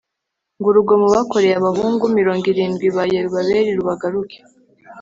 ngo urugomo bakoreye abahungu mirongo irindwi ba Yerubayali rubagaruke